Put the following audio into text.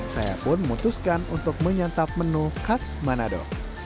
saya pun memutuskan untuk menyantap menu khas manado